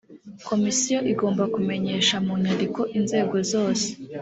komisiyo igomba kumenyesha mu nyandiko inzego zose